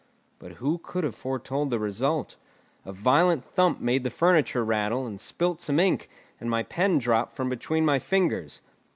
But who could have foretold the result? A violent thump made the furniture rattle, and spilt some ink, and my pen dropped from between my fingers.